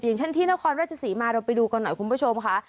อย่างเช่นที่นครราชศรีมาเราไปดูกันหน่อยคุณผู้ชมค่ะ